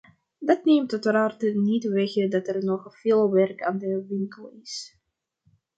Dat neemt uiteraard niet weg dat er nog veel werk aan de winkel is.